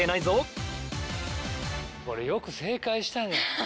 これよく正解したね。